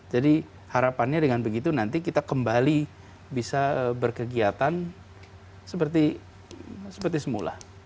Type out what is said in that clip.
jadi harapannya dengan begitu nanti kita kembali bisa berkegiatan seperti semula